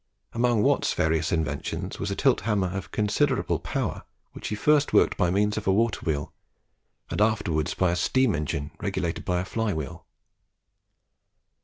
Among Watt's various inventions, was a tilt hammer of considerable power, which he at first worked by means of a water wheel, and afterwards by a steam engine regulated by a fly wheel.